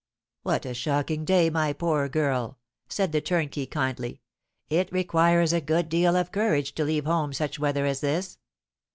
"What a shocking day, my poor girl!" said the turnkey, kindly. "It requires a good deal of courage to leave home such weather as this."